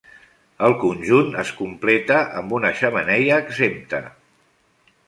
El conjunt es completa amb una xemeneia exempta.